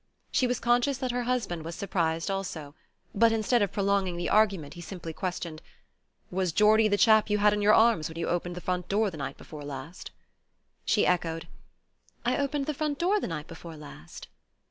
She was conscious that her husband was surprised also; but instead of prolonging the argument he simply questioned: "Was Geordie the chap you had in your arms when you opened the front door the night before last?" She echoed: "I opened the front door the night before last?"